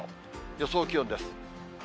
予想気温です。